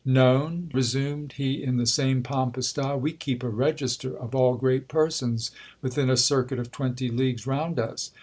Known ? resumed he in the same pompous style ; we keep a register of all great persons within a circuit of twenty leagues round us.